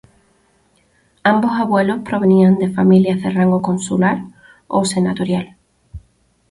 Ambos abuelos provenían de familias del rango consular o senatorial.